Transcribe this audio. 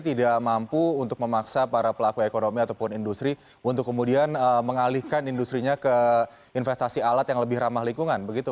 tidak mampu untuk memaksa para pelaku ekonomi ataupun industri untuk kemudian mengalihkan industri nya ke investasi alat yang lebih ramah lingkungan begitu